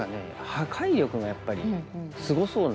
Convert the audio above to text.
破壊力がやっぱりすごそうなので。